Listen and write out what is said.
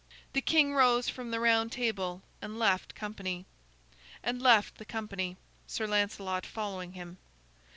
The king rose from the Round Table and left the company, Sir Lancelot following him.